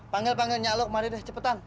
panggil panggil nyala lo kemari deh cepetan